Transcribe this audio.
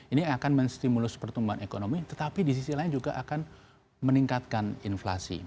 ini akan menstimulus pertumbuhan ekonomi tetapi di sisi lain juga akan meningkatkan inflasi